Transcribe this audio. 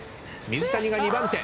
水谷２番手。